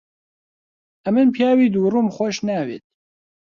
ئەمن پیاوی دووڕووم خۆش ناوێت.